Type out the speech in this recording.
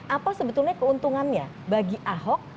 apa sebetulnya keuntungannya bagi ahok